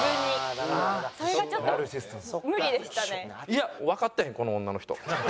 いやわかってへんこの女の人。